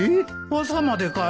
朝までかい？